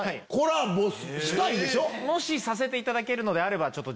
させていただけるのであれば。